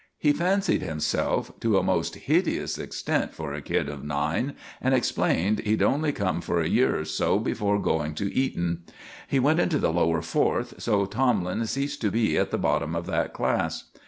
He fancied himself to a most hideous extent for a kid of nine, and explained he'd only come for a year or so before going to Eton. He went into the Lower Fourth, so Tomlin ceased to be at the bottom of that class.